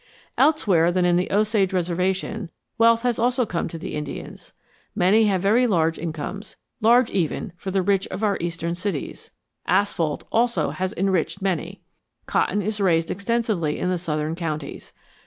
Elsewhere than in the Osage Reservation, wealth also has come to the Indians. Many have very large incomes, large even for the rich of our Eastern cities. Asphalt also has enriched many. Cotton is raised extensively in the southern counties.